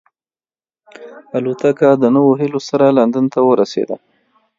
الوتکه د نویو هیلو سره لندن ته ورسېده.